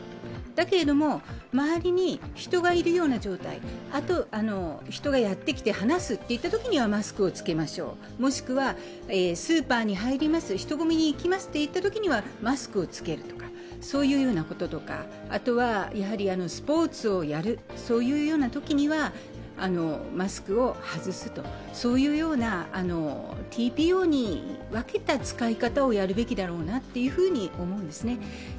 だけれども周りに人がいるような状態、あと人がやってきて話すといったときにはマスクを着けましょうもしくはスーパーに入ります人混みに行きますといったときにはマスクを着ける、そういうようなこととか、あとはスポーツをやるときには、マスクを外すというようなＴＰＯに分けた使い方をやるべきだろうなと思うんですね。